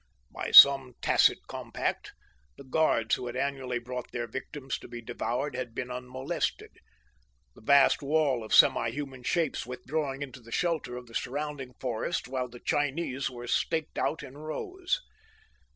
By some tacit compact, the guards who had annually brought their victims to be devoured had been unmolested, the vast wall of semi human shapes withdrawing into the shelter of the surrounding forests while the Chinese were staked out in rows.